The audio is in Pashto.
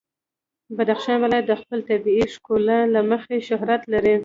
بدخشان ولایت د خپل طبیعي ښکلا له مخې شهرت لري.